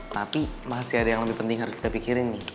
tapi masih ada yang lebih penting harus kita pikirin nih